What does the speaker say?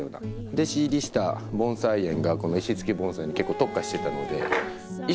弟子入りした盆栽園がこの石付き盆栽に結構特化してたので。